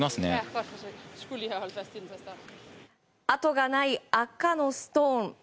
あとがない赤のストーン